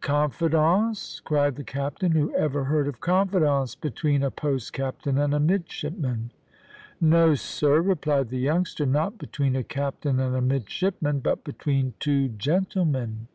"Confidence!" cried the captain; "who ever heard of confidence between a post captain and a midshipman!" "No sir," replied the youngster, "not between a captain and a midshipman, but between two gentlemen."